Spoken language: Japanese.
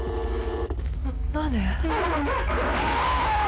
何で？